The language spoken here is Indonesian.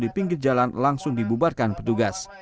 di pinggir jalan langsung dibubarkan petugas